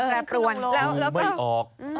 ดูไม่ออก